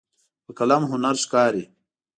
په قلم هنر ښکاري.